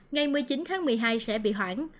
ngày một mươi chín tháng một mươi hai sẽ bị hoãn